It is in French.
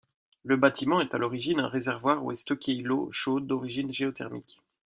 Le bâtiment est à l'origine un réservoir où est stockée l'eau chaude d'origine géothermique.